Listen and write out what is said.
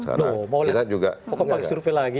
karena kita juga kok kamu pakai survei lagi